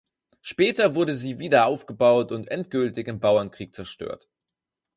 Später wurde sie wieder aufgebaut und endgültig im Bauernkrieg zerstört.